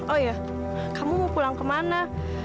oh ya kamu mau pulang kemana